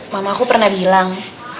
mama aku pernah bilang